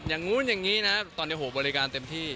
อย่างนู้นอย่างนี้นะตอนนี้โหบริการเต็มที่